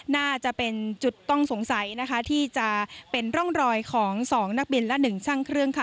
น่าจะเป็นจุดต้องสงสัยนะคะที่จะเป็นร่องรอยของ๒นักบินและ๑ช่างเครื่องค่ะ